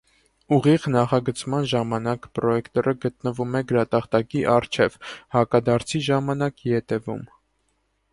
Ուղիղ նախագծման ժամանակ պրոյեկտորը գտնվում է գրատախտակի առջև, հակադարձի ժամանակ՝ ետևում։